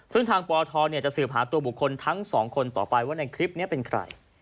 ซึ่งทางปทจะสืบหาตัวบุคคลทั้งสองคนต่อไปว่าในคลิปนี้เป็นใคร